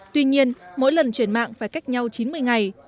tuy nhiên mỗi lần chuyển mạng phải cách nhau chín mươi ngày